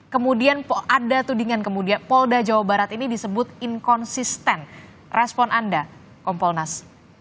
kemudian ada tudingan kemudian polda jawa barat ini disebut inkonsisten respon anda kompolnas